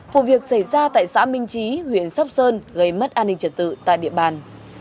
vụ việc xảy ra tại xã minh trí huyện sóc sơn gây mất an ninh trật tự tại địa bàn